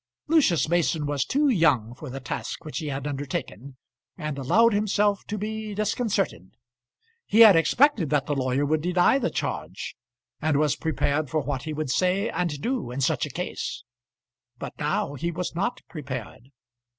Lucius Mason was too young for the task which he had undertaken, and allowed himself to be disconcerted. He had expected that the lawyer would deny the charge, and was prepared for what he would say and do in such a case; but now he was not prepared.